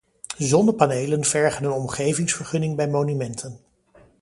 Zonnepanelen vergen een omgevingsvergunning bij monumenten.